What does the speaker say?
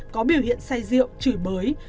có biểu hiện say rượu chửi bới